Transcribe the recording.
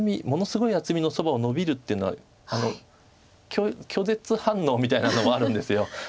ものすごい厚みのそばをノビるっていうのは拒絶反応みたいなのもあるんです。